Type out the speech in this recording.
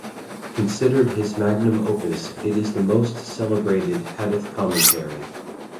Considered his magnum opus, it is the most celebrated hadith commentary.